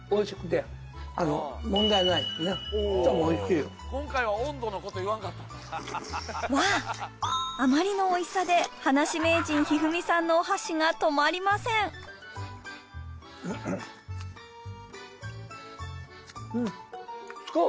しかもおいしいわああまりのおいしさで歯無し名人一二三さんのお箸が止まりませんうん